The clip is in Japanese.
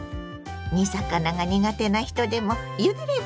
煮魚が苦手な人でもゆでれば失敗なし！